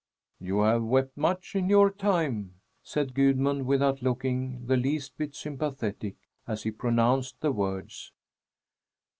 "You have wept much in your time," said Gudmund without looking the least bit sympathetic as he pronounced the words.